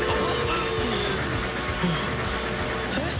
えっ？